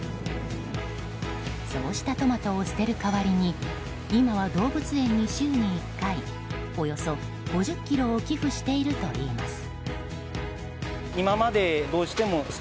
そうしたトマトを捨てる代わりに今は動物園に週に１回およそ５０ｋｇを寄付しているといいます。